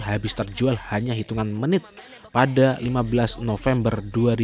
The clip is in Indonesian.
habis terjual hanya hitungan menit pada lima belas november dua ribu dua puluh